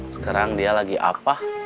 sekarang dia lagi apa